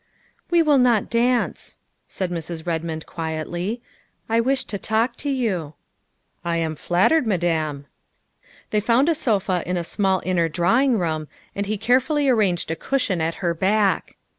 " We will not dance," said Mrs. Redmond quietly, " I wish to talk to you." " I am flattered, Madame." They found a sofa in a small inner drawing room, and he carefully arranged a cushion at her back.